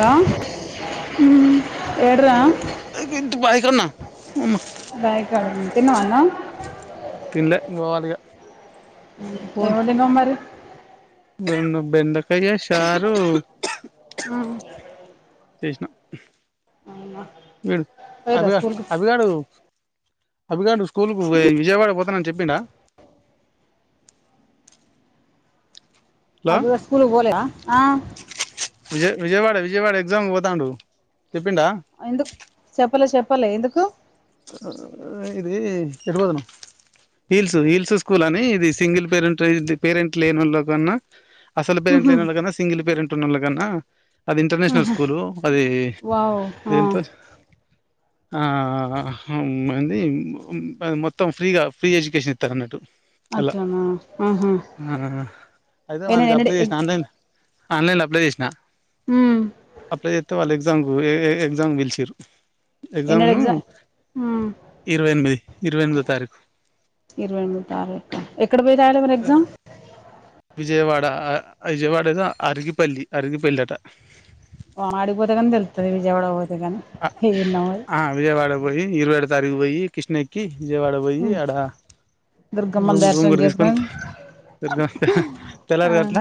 Hello ఎడరా తు బయటున్న బ్యాగ్ కాడ ఉంది. తిన్నావా అన్న పోవాలిగా ఏం వండినవ్ మరి రొండు బెండకాయ్య షారు ఉ చేసిన వీడు పోయిర్రా అభిగ స్కూల్కి అభిగాడు అభిగాడు స్కూల్కు విజయవాడ పోతానని చెప్పి ప్పిండా అభిగాడు స్కూల్ కు పోలేదా ఆ విజయ విజయవాడ విజయవాడ ఎగ్జామ్ పోతాండు చెప్పిండా ఎందుకు చెప్పలే చెప్ప ప్పలే ఎందుకు ఉ ఇది ఎటు పోతనవ్ హీల్స్ హిల్సు స్కూల్ అని ఇది సింగిల్ పేరెంట్ ఇది పేరెంట్ లేని వాళ్ళ కన్నా అసలు పెరంట్ ఉహు, లేనోళ్ళ కన్నా సింగల్ పేరంట్ టు ఉన్నలోకన్న అది ఇంటర్నేషనల్ ఉహు. స్కూలు అది వావ్ ఆ, ఎంట్రన్స్ ఆ ఆ హా మంది మొత్తం ఫ్రీగా ఫ్రీ ఎడ్యుకేషన్ ఇత్తరు అన్నట్టు అలా అట్లనా ఆహా ఆహ ఆ! అయితే ఎన్నడు మనకి ఎన్నడు అప్లై ఏ చేసిన ఆన్లైన్ లో అప్లై చేసిన ఉమ్, అప్లై చేస్తే వాళ్ ఎక్ ఎగ్జామ్ కు ఏ ఏ ఎగ్జామ్ కు పిలిచిరు ఎగ్జామ్ ను ఉమ్, ఇరవై ఎనిమిది ఇరవై ఎనిమిదో తారీఖు ఇక్కడ పోయి రాయాలి మరి ఎగ్జామ్ విజయవాడ ఆ విజయవాడ ఏదో అరగిపల్లి అరగిపల్లి అట అడికిపోతె గాని తెలుతది విజయవాడ కానీ ఏందో మరి ఆ విజయవాడ పోయి ఇరవై ఏడో తారీకు పోయి కృష్ణ ఎక్కి విజయవాడ పోయి ఉమ్, ఆడ దుర్గమ్మని రూమ్ రూమ్ దర్శనం కూడా తీసుకొని చేసుకొని తె తెల తెల్లార్ ఆ, గట్ల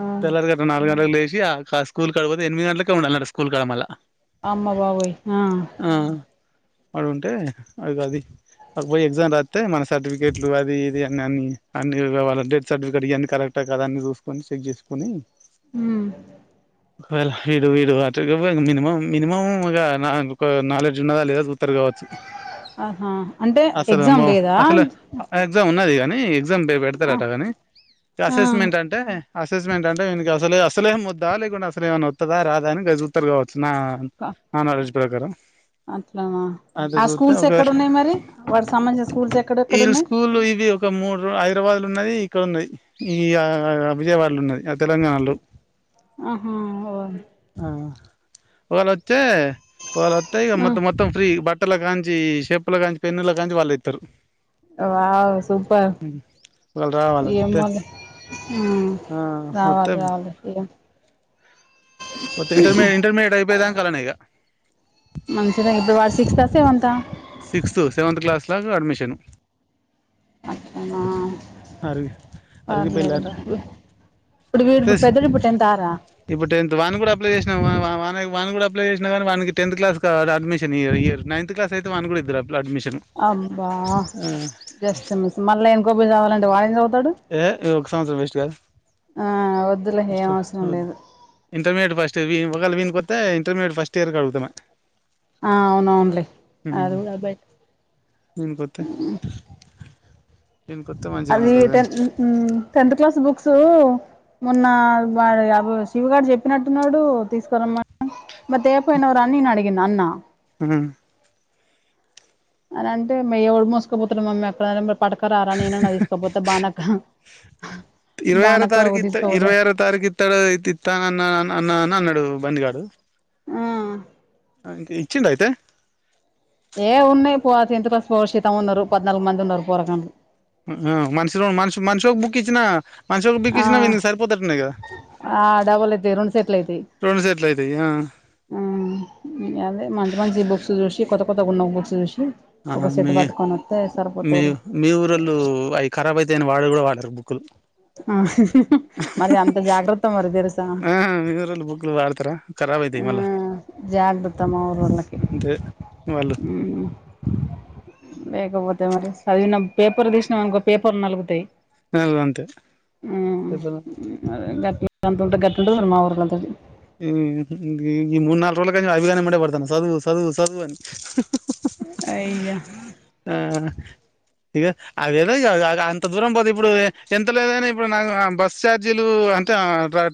ఆ. తెల్లార్ గట్ల నాలుగు గంటలకు లే సి ఆ స్కూల్ కాడపోతే ఎమిది గంటలకే ఉండాలట స్కూల్ కాడ మల్ల అమ్మ బాబోయి ఆ ఆడుంటే అగొ అది అకపోయి ఎగ్జామ్ రాత్తే మన సర్టిఫికెట్లు అది ఇది అన్న అన్నీ అన్నీ వాళ్ళ డెత్ సర్టిఫికెట్ ఇవన్నీ కరెక్టా కద అన్నీ చూసుకొని చెక్ చేసుకొని హ్మ్ ఒకవేళ వీడు వీడు వాటకి మినిమమ్ మినిమం ఒక నాలు ఒక నాలు న్నదా లేదా చూత్తరు కావచ్చు ఆహా అంటే ఎగ్జామ్ అసలుమో లేదా ఆ అసలు ఎగ్జామ్ ఉన్నది అనీ ఎగ్జామ్ రేపు పెడ్తారట గాని అసిస్మెంట్ అంటే అసిస్మెంట్ అంటే ఈనికి అసలే అస్ అసలేం వద్దా లేకుండా అసలు ఏమన వత్తదా రాద అని ఇగ చూతారు కావచ్చు నా అన ప్రకారం అట్లానా అట్లా ఆ చూత్తే స్కూల్స్ ఒక ఎక్కడన్నాయి మరి వాడి సంబంధించిన స్కూల్స్ ఎక్కడ ఎక్కడ వీళ్ళు ఉన్నాయి స్కూల్ ఇవి ఒక మూడు హైదరాబాద్ లో ఉన్నది ఇక్కడ ఉన్నది ఈ విజయవాడలో ఉన్నది ఆ తెలంగాణలో ఆహా ఓ వ వ అత్త ఈ మ మొత్తం ఫ్రీ బట్ పట్టల కాంచి చెప్పుల కాంచి పెన్నుళ్ల కాంచి వాళ్ళు ఇస్తారు వా సూపర్ వాళ్ళు రావాలి ఏమ వస్తే ఆ వస్తే రావాలి రావాలి ఏం మ ఇంటర్ ఇంటర్మీడియేట్ అయిపోయిాం కాలనే ఇక మంచిద ఇప్పుడు వాడు సిక్స్ సెవెంతా అలాకు అడ్మిషను పర్లేదు అరిగిపోయిలాట ఇప్పుడు వడిప్పుడు ప్లస్ పెద్దడు పట్ట ఎంత తారా ఇప్పుడు టెన్త్ వాని కూడా అప్లై చేసినా వన్ కూడా అప్లై చేసినా కానీ వన్కి tenth class admission year ninth class అయితే వన్ కూడా ఇద్దరు అడ్మిషన్ అబ్బా జస్ట్ మిస్ మళ్ళా ఏం గోబ కావాలంటే వాయి ఏ ఒక సంవత్సరం వేస్ట్ కాదు ఆ వద్దులే ఫస్ ఏం అవసరం లేదు ఇంటర్మీడియట్ ఫస్ట్ ఒకాల వీని కొతే ఇంటర్మీడియట్ ఫస్ట్ ఇయర్ క అడుగుతామా ఆ అవునవునులే అది కూడా బ నేనుకొస్త మంచిగా ఉంటుంది కాని ఉ ఊ టెన్త్ క్లాస్ బుక్సు మొన్న వాడు బా శివ గాడు చెప్పినట్టున్నాడు తీసుకురమ్మ మరి తేకపోయినవరు అని నేను అడిగిన అన్న మ్ అని అంటే మరి ఎవరిది మోసుకోపోతున్నాం మమ్మీ ఎప్పుడ ఇరవై ఆరు బానక్క తారీఖ నువ్వు ఇత్త తీసుకపోతే ఇరవై ఆరు తారీఖు ఇత్తడుతి ఇత్తాంగా అన్న అన్న అన్నాడు బన్నిగాడు ఆ ఇంకా ఇచ్చిండ అయితే ఏ ఉన్నాయి పో ఎంత పోషతం ఉన్నారు పద్నాలుగు మంది ఉన్నారు పొరగాళ్ళు ఆ మష మ మనశికోక బుక్ ఇచ్చిన ఆ ఆ డబలు అయితయి రెండు సెట్లు అయితాయి రెండు సెట్లు అయితాయి అదే మంచి మంచి బుక్స్ చూసి కొ [unintelligible] ఆహ మీ మీ సరిపోతాయిలే మీ ఊరోళ్ళు అయి ఖరాబై తే వాడ కూడా వాడరు బుక్కులు మరి అంత జాగ్రత్త మరి తెరు ఆ వివర బుక్లు వాడతారు ర హ్మ్ జాగ్రత్త మా ఊరోళ్ళకి అంతే వాళ్ళు లేకపోతే మరి చదివిన పేపర్ తీసినవనుకో పేపర్ నలుగుతాయి అల్ అంతే చెప్పన అంతంటే గట్టుడు అది మాఊరి పద్దతి హ్మ్ ఈ మూడు నాలుగు రోజులకాన్నించి అభిగానెమ్మటే పడుతున్న చదువు సదువు చదువు అని అయ్యో ఆ అదేదో అంత దూరం పోతే ఇప్పుడు ఎంత లేదన్నా ఇప్పుడు నా బస్ ఛార్జీలు అంటే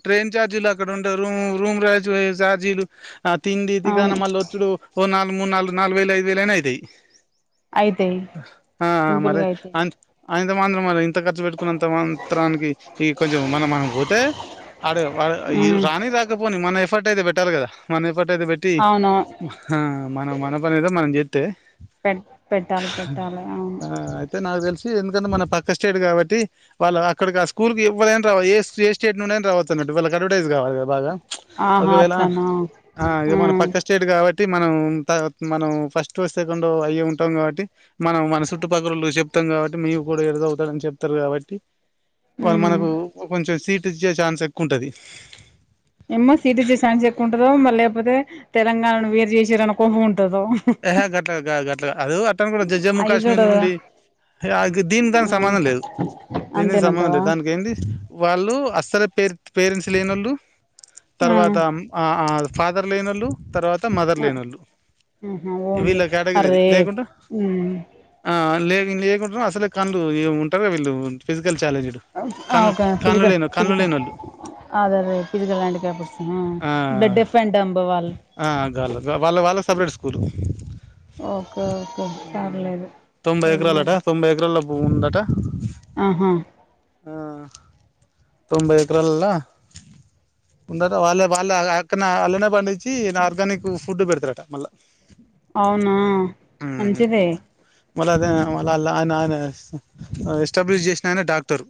ట్రైన్ ఛార్జీలు అక్కడ ఉండే రూమ్ రూమ్ [unintelligible] కయే ఛార్జీలు ఆ తిండి ఇది కానీ అవును మళ్ళ వచ్చుడు ఓ నాలు మూడు నాలుగు నాలుగు వేలు ఐదు వేలనా అయితేయి అయితాయి ఆ మరే సింపుల్గా అయితాయి అం అయిందు [unintelligible] మరి ఎంత ఖర్చు పెట్టుకున్నంత మాత్రనికి ఇ కొంచెం మనం మనం పోతే ఆడ [unintelligible] రానీ రాకపోని మనే పట్ అయితే బ పెట్టాలి కదా మన పట్ అయితే పెట్టి అవును ఆ మనం మన పని ఏదో మనం చే అ పెట్ పెట్టాలి పెట్టాలి అవును అయితే నా ఎందుకంటే మన పక్క స్టేట్ కాబట్టి వాళ్ళ అక్కడ ఆ స్కూల్కి ఎవ్వైనా రా ఏ స్టేట్ నునా రావతున్నట్టు వాళ్ళక్కడ కావాలి బాగా ఆహా ఒకవేళ అట్లానా ఆ ఇ మన పక్క స్టేట్ కాబట్టి టి మనం మనం ఫస్ట్ సెకండ్ అయ ఉంటాం కాబట్టి మనం మన చుట్టుపక్కలలు చెప్తాం కాబట్టి మ కూడా ఎడుదవుతాడని చెప్తారు కాబట్టి వాళు ఉమ్ మనకు కొంచెం సీట్ ఇజ్జే ఛాన్స్ ఎక్కుంటది ఏమో సీటీ జేసాన్స్ ఎక్కుంటందో మళ్ళే పోతే తెలంగాణను వేరు చేశారు అనుకోమున్ ఎహే గట్ల గాదు అట్ల కాదు అట్టని కూడ జజమ్మూ అయి కాశ్మీర్ చూడు నుండి హే అ దీనికి ఆ దానికి సంబంధం లేదు దీనినికి సంబంధం అంతేనంటావా లేదు దానికి ఏంది వాళ్ళు అస్సలు. పేర్ పేరెంట్స్ లేనొళ్ళు ఆ తర్వాతం అ ఆ ఫాదర్ లేనోళ్ళు తర్వా త మదర్ లేనొళ్ళు మ్మ్ హు అదే అండి అరవై ఐద్ హ్మ్ లేకుంటనే అసలే కళ్లు ఏం ఉంటరో వీళ్ళు ఫెస్ ఒ ఆ ఓకే ఫిజికల్ కళ్ళు ఫిజికల్ లేనోళ్ళు ఆ అదదే ఫిజికల్ హ్యాండికాప్ పర్సన్ ఆ ద డెఫ్పెన్ డెంబ్ వాళ్ళు. పూలు ఓకే ఓకే ఆ పర్లేదు తొంభై ఎకరాలట ఏమోలే తొంభై ఎకరాల్లో ప దాట ఆహా తొంభై ఎకరాలల్లో ఉందట వాళ్ళే వాళ్ళ అక్కన వాళ్ళనే పండించి ఆర్గానిక్ ఫుడ్ పెడతారట మళ్ళీ అవునా మ్మ్ మంచిదే మల్ల అదే [unintelligible] ఆ ఎస్టాబ్లిష్ చేసినా ఆయన డాక్టరు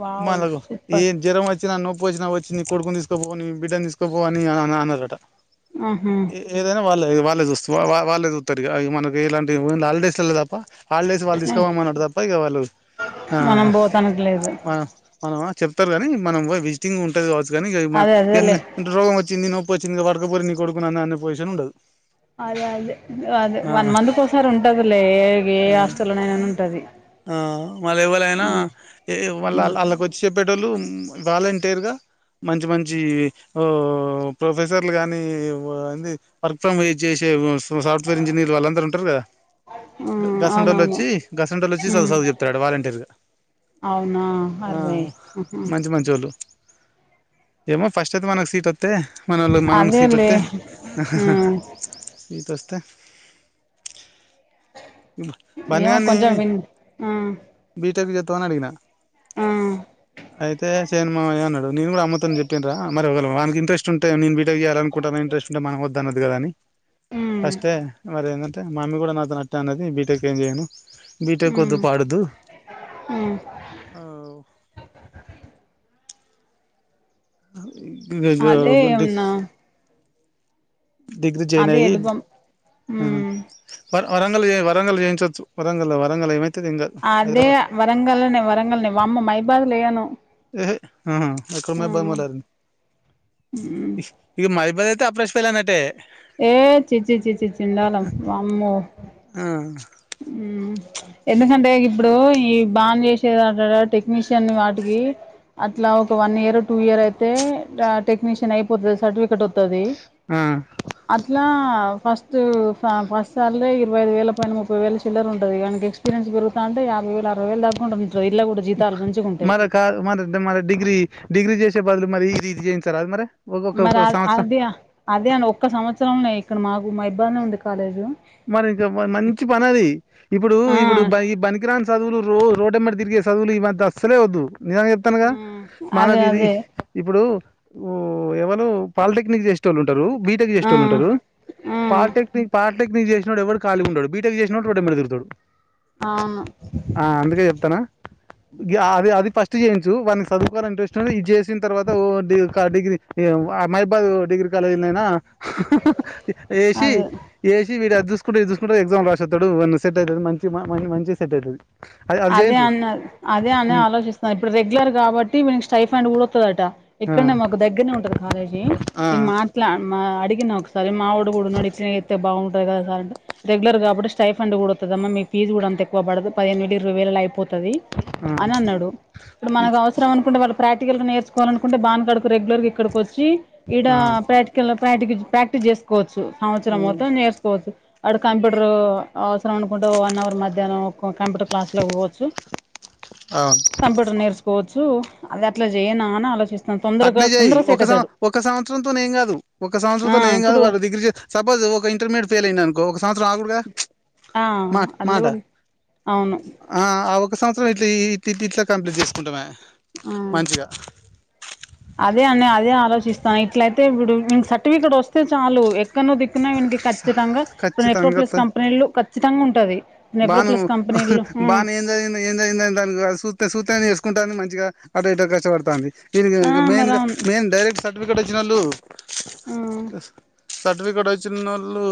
వావ్ మాలాగ సూపర్ ఏం జ్వరం వచ్చి వచ్చినా నొప్ప వచ్చా వచ్చి నీ కొడుకుని తీసుకోపో ను నీ బిడ్డ తీసుకోపో అని అనారట ఆహా వాళ్ళే వాళ్ళే చూస్త వా వాళ్ళే చూస్తారు మనకి ఇలాంటి హాలిడేస్ తప్ప హాలిడేస్ వాళ్ళు తీసుకోవమన్నాడు తప్ప ఇక వాళ్ళు మనం పోతానికి లేదు మనం చెప్తారు కాని మనం విజిటింగ్ ఉంటుంది కావచ్చు కానీ అదే అదేలే రోగం వచ్చింది నొ పచ్చింది వర్కపోరి కొడుకున్నాన్నన్న పోషన్ ఉండదు అదే అదే అదే ఆ వన్ మంత్కిసారి ఉంటదిలే ఏ ఏ ఆ హాస్టల్లోనైనా ఉంటది ఆ మళ్ళ ఎవలైనా మళ్ళ వాళ్ళకి వచ్చి చెప్పేటోళ్ళు వాలంటీర్గా మంచి మంచి ప్రొఫెసర్లు కానీ అంది వర్క్ ఫ్రమ్ చేసే సాఫ్ట్వేర్ ఇంజనీర్ వాళ్ళందరూ ఉంటారు కదా గసండో అవునవును వచ్చి గసండ వచ్చి చదువు ఉమ్, చదువు చెప్తాడు వాలంటీర్గా అవునా ఆ అరే మంచి మంచి వాళ్ళు ఏమో ఫస్ట్ అయిత్ మనకి సీట్తు తే మనలో మనం అదేలే సీతతే ఉమ్, త్త బనియానీ హు మ్ ఇంటర్వ్యూ చేతవ అని అడిగిన ఆ అయితే సేయను మావయ్య అన్నాడు నేను కూడా అమ్ముతోని చెప్పిండ్ర మరివగలం వానకి ఇంట్రస్ట్ ఉంటే నేను బీటెక్ చేయాలనుకుంటాను ఇంట్రస్ట్ంటే మనకు వద్దు అన్న వద్ధు కదా అని ఉమ్, ఫస్టే మరి ఏంటంటే మమ్మీ కూడా నాతో నట్ట అనేది బీటెక్ ఏం చేయను బీటె ఉమ్, దు పాడు వద్ధు ఉమ్. అ అదే గుంటి [inaudible] ఏమన్నా డిగ్రీ జాయిన్ అదే అయ్యి ఎడుబం ఉమ్. వ వరంగల్ వరంగల్ చేయించ వచ్చు వరంగల్ వరంగల్ ఏమైంది అదే వరంగల్నే వరంగల్ వామ్మో మైబాద్లేయన ఏహ ఎక్కడ మ బంద మల ఇ మ [unintelligible] ఇదైతే ప్ర్రష్ పలా అట్టే [inaudible] ఏ చి చి చి చి చిందాలం అమ్మో ఆ ఎందుకంటే ఇప్పుడు ఈ బాగానే చేసేది అంట టెక్నీషియన్ వాటికి అట్లా ఒక వన్ ఇయర్ టూ ఇయర్ అయితే టెక్నీషియన్ అయిపోతుది సర్టిఫికెట్ వస్తది ఆ అదిలా ఫస్ట్ ఫస్ట్ సాలరి ఇరవై ఐదు వేల పైన మూపై ముపై వేలచిల్లర ఉంటది కానీ ఎక్స్పీరియన్స్ పెరుగుతాంట యాభై వేల ఉంటాయి మరి క మరి మరి డిగ్రీ డిగ్రీ చే చ్చేబాదులు మరి ఈ ఇది చేయించారాదు. మరే మరి అ అదే అదే అండి. ఒక్క సంవత్సరం ఇక్కడ మాకు మా ఇబ్బంది ఉంది. కాలేజ్లో మరి ఇంకా మంచి పని అది ఇప్పుడు ఆ ఇప్పుడు ఈ పనికిరాని సదువులు రొ రోడ్ ఎమ్మట తిరిగే చదువులు ఈ వంత అస్సలే వద్దు నిజం చెప్తానుగా మ్ అదే మనకు ఇది అదే ఇప్పుడు ఓ ఎవరు పాలిటెక్నిక్ చేసే టోళ్ళు లు బీటెక్ చేసే ఆ టోళ్ళ ఉంటారు ఆ పాలిటెక్నిక్ పాల చేసినడు ఎవడు కాలి ఉండడు బీటెక్ చేసినోడు రోడ్డు ఎమ్మట తిరుగుతాడు అవును ఆ అందుకే చెప్తానా అది అది ఫస్ట్ చేయించు వాారిని చదువుకోవాల ఇంట్రెస్ట్ ఉన ఇది చేసిన తర్వాత డిగ్రీ మహిబాద్ డిగ్రీ కాలేజీ అయినా ఏషీ అదే ఈసి వీడు అది జూసుకుంటా ఇది చూసుకుంట ఎగ్జామ్ రాసొత్తాడు వాని సెట్ అయితది. మంచి మంచి మైండ్ మంచిగా సెట్ అయితది. అదే అన్న అదే అనే ఆలోచిస్తున్న ఇప్పుడు రెగ్యులర్ కాబట్టి వీనికి స్టైఫైండ్ కూడా ఒత్తదట ఆ ఇక్కడనే మాకు దగ్గరనే ఉంటది. కాలేజీ ఆ నేను మాట్లా మా ఆ అడిగిన ఒకసారి మావోడు కూడా ఉన్నాడు ఇట్లానే చెత్తే బాగుంటది. కదా సార్ అంటే రెగ్యులర్ కాబట్టి స్టైఫండ్ కూడా ఒత్తది అమ్మ మీ ఫీజ్ కూడా అంతే ఎక్కువ పడదు పదిహేను ఇరా ఇరవై వేలల్ల ఐపోత్ తది ఆ అని అన్నాడు. ఇప్పుడు మనకు అవసరం అనుకుంటే వాళ్ళు ప్రాక్టికల్ నేర్చుకోవాలనుంటే బాన్గాడకు రెగ్యుర్గా ఇక్కడికి వోచ్చి ఇడ ఆ ప్రాక్టికల్ ఆ ప్రాక్టీగిస్ ప్రాక్టీస్ చేసుకోవచ్చు. సంవత్సరం మొత్తం అవును నేర్చుకోవచ్చు. అడు కంప్యూటర్ అవసరం అనుకుంటె వన్ అవర్ మధ్యాహ్నం ఒక క్లాస్ల లో పోవచ్చు కంప్యూటర్ నేర్చుకోవచ్చు. అదే అట్లా చేయనా అని ఆలోచి అట్టనేచేయి ఒక సం ఒక సంవత్సరంతోనే ఏం కాదు. ఒక ఆ సంవత్సరంతోనే ఏం కాదు ఇప్పుడు వాళ్ళు డిగ్రీ చెత్తే సపోజ్ ఒక ఇంటర్మీడియట్ ఫెయిల్ అయ్యిండు అనుకో ఒక సంవత్స రాగుడుగా మా అందు మాట అవును అ ఆ ఓక్క ఒక సంవత్సరం ఇట్లా ఇ ఇట్లా కంప్లీట్ చేసుకుంటామయే ఆ మంచిగా అదే అన్నయ్య అదే ఆలోచిస్తాన్న ఇట్లయితే ఇప్పుడు వీడికి సర్టిఫికెట్ వోస్త స్తే చాలు ఎక్కనో దిక్కున వీనికి ఖచ్చితంగా ఇప్పుడు ఖచ్చితంగా నెట్రోప్లేస్ కంపెనీలు చ్చితంగా ఉంటది. బాను నెప్రోప్లస్ కంపెనీలు ఆ బానే ఏం చదివింది ఏం చదివింది దానికిూ సూని చేసుకుంటాని మంచి మంచిగా ఆటో ఇటో కష్టపడతాన్ది ఇ ఆ మరి మెయిన్గ అవును మెయిన్ డైరెక్ట్ స సర్ఫికేట్ వచ్చిన వాళ్ళు ఆ సర్టిఫికెట్ వచ్చిన వాళ్ళు